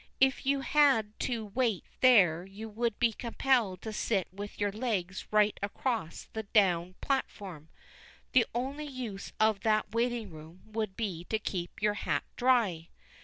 If you had to wait there you would be compelled to sit with your legs right across the down platform; the only use of that waiting room would be to keep your hat dry.